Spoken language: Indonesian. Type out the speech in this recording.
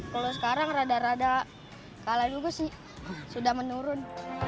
kalau sekarang rada rada kalah dulu sih sudah menurun